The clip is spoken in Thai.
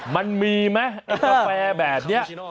มันมีไหมแบบนี้